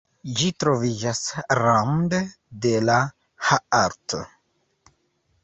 Ĝi troviĝas rande de la Haardt.